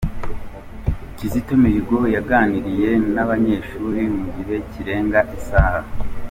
Kizito Mihigo yaganiriye n'aba banyeshuri mu gihe kirenga isaha.